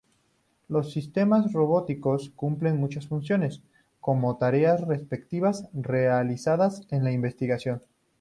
Los sistemas robóticos cumplen muchas funciones, como tareas repetitivas realizadas en la investigación.